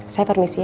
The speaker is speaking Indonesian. saya permisi ya